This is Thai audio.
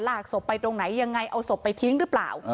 ศพไปตรงไหนยังไงเอาศพไปทิ้งหรือเปล่า